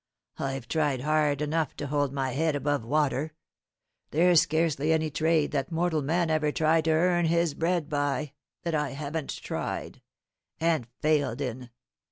I've tried hard enough to hold my head above water. There's scarcely any trade that mortal man ever tried to earn his bread by, that I haven't tried and failed in.